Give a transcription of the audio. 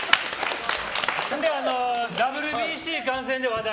ＷＢＣ観戦で話題。